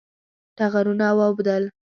ټغرونه واوبدل